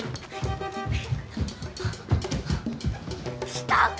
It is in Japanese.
来たか！